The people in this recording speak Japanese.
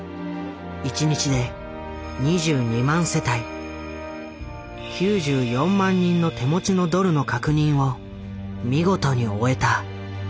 １日で２２万世帯９４万人の手持ちのドルの確認を見事に終えた。